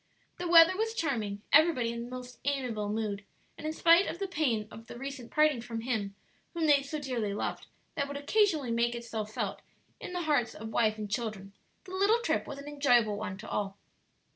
The weather was charming, everybody in most amiable mood, and spite of the pain of the recent parting from him whom they so dearly loved, that would occasionally make itself felt in the hearts of wife and children, the little trip was an enjoyable one to all.